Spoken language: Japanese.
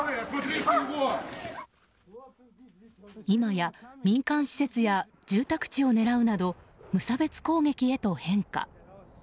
今や民間施設や住宅地を狙うなど無差別攻撃へと変化。